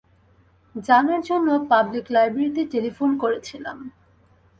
জানার জন্যে পাবলিক লাইব্রেরিতে টেলিফোন করেছিলাম।